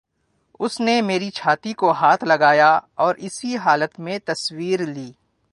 اس نے میری چھاتی کو ہاتھ لگایا اور اسی حالت میں تصویر لی